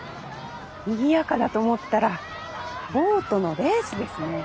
にぎやかだと思ったらボートのレースですね。